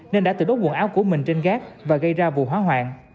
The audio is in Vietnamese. nên đã tự đốt quần áo của mình trên gác và gây ra vụ hỏa hoạn